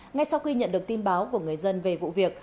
ngay sau khi nhận được tin báo của người dân về vụ việc